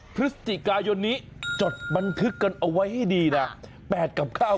ปฤศติกายนนี้จดบันทึกกันเอาไว้ให้ดีนะแปดกลับเข้า